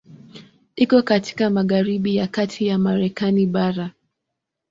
Iko katika magharibi ya kati ya Marekani bara.